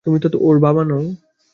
তুমি তো ওর বাবা নও।